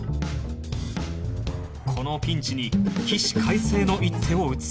このピンチに起死回生の一手を打つ